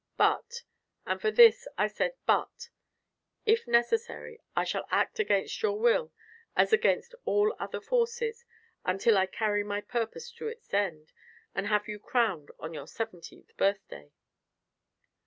But and for this I said 'but' if necessary, I shall act against your will, as against all other forces, until I carry my purpose to its end and have you crowned on your seventeenth birthday."